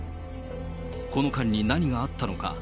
この間に何があったのか。